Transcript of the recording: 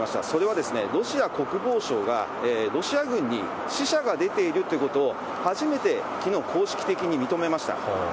それはロシア国防省が、ロシア軍に死者が出ているということを、初めてきのう、公式的に認めました。